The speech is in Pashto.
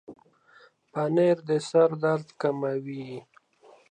پنېر د سر درد کموي.